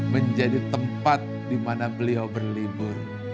menjadi tempat dimana beliau berlibur